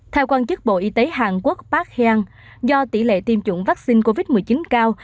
theo quan chức bộ y tế hàn quốc park hang do tỷ lệ tiêm chủng vaccine covid một mươi chín cao